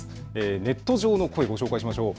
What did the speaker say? ネット上の声、紹介しましょう。